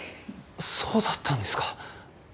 そうだったんですか。